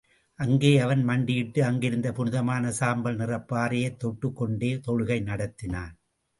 அங்கே அவன் மண்டியிட்டு, அங்கிருந்த புனிதமான சாம்பல் நிறப்பாறையைத் தொட்டுக் கொண்டே தொழுகை நடத்தினான்.